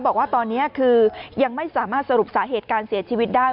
บอกว่าตอนนี้คือยังไม่สามารถสรุปสาเหตุการเสียชีวิตได้